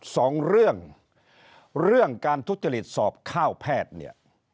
สองเรื่องเรื่องการทุจริตสอบข้าวแพทย์เนี่ย